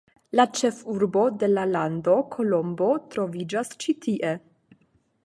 La ĉefurbo de la lando, Kolombo, troviĝas ĉi tie.